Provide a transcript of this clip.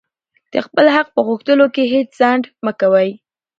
د خپل حق په غوښتلو کښي هېڅ ځنډ مه کوئ!